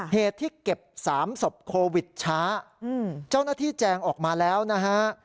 เหตุที่เก็บ๓ศพโควิดช้าเจ้าหน้าที่แจงออกมาแล้วนะฮะ